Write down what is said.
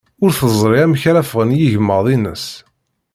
Ur teẓri amek ara ffɣen yigemmaḍ-ines.